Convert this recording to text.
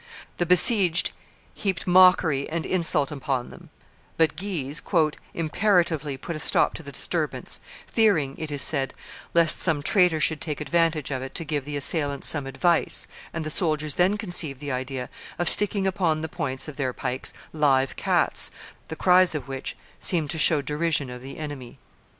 The besieged heaped mockery and insult upon them; but Guise "imperatively put a stop to the disturbance, fearing, it is said, lest some traitor should take advantage of it to give the assailants some advice, and the soldiers then conceived the idea of sticking upon the points of their pikes live cats, the cries of which seemed to show derision of the enemy."